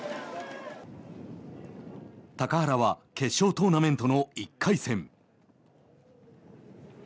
高原は決勝トーナメントの１回戦。